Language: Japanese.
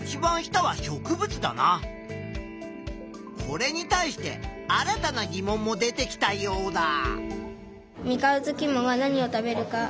これに対して新たなぎ問も出てきたヨウダ。